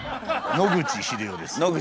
野口英世です。